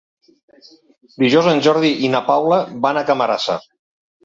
Dijous en Jordi i na Paula van a Camarasa.